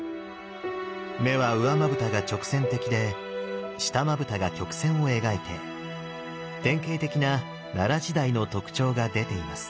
目は上まぶたが直線的で下まぶたが曲線を描いて典型的な奈良時代の特徴が出ています。